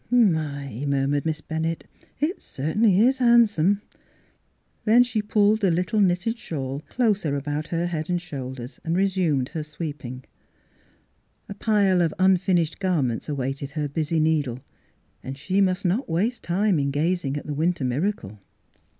" My !" murmured Miss Bennett. " It certainly is handsome !" Then she pulled the little knitted shawl Miss Fhilura's Wedding Gown closer about her head and shoulders and resumed her sweeping. A pile of unfin ished garments awaited her busy needle, and she must not waste time in gazing at the winter miracle.